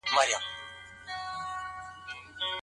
په ژمي کي ټول سیندونه نه کنګل کېږي.